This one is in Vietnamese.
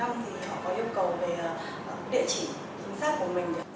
và thứ năm thì họ có yêu cầu về địa chỉ chính xác của mình